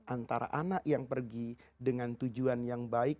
antara anak yang pergi dengan tujuan yang baik